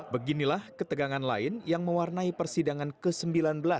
beginilah ketegangan lain yang mewarnai persidangan ke sembilan belas